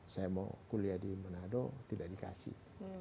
saya mau kuliah di manado tidak dikasih